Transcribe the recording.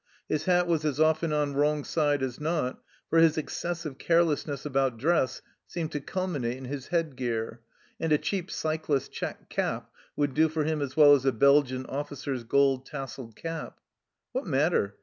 His hat was as often on wrong side as not, for his excessive carelessness about dress seemed to culminate in his headgear, and a cheap cyclist's check cap would do for him as well as a Belgian officer's gold tasselled cap. What matter